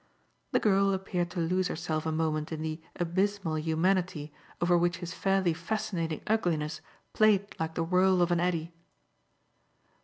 The girl appeared to lose herself a moment in the abysmal humanity over which his fairly fascinating ugliness played like the whirl of an eddy.